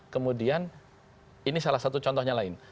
kemudian ini salah satu contohnya lain